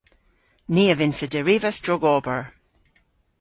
Ni a vynnsa derivas drogober.